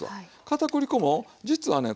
かたくり粉も実はね